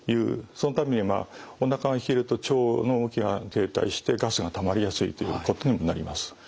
そのためにまあおなかが冷えると腸の動きが停滞してガスがたまりやすいということにもなります。